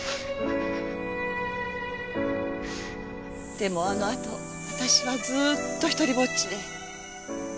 でもあのあと私はずっと一人ぼっちで。